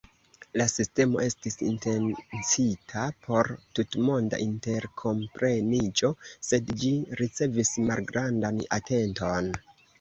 La sistemo estis intencita por tutmonda interkompreniĝo, sed ĝi ricevis malgrandan atenton.